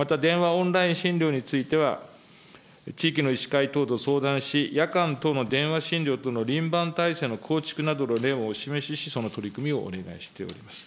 オンライン診療については、地域の医師会等と相談し、夜間等の電話診療等の輪番体制の構築などをお示しし、その取り組みをお願いしております。